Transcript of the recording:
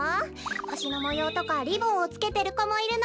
ほしのもようとかリボンをつけてるこもいるの。